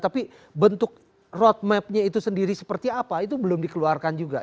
tapi bentuk roadmapnya itu sendiri seperti apa itu belum dikeluarkan juga